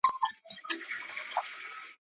له پردي وطنه ځمه لټوم کور د خپلوانو